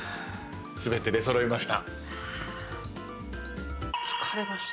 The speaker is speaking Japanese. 全て出揃いました。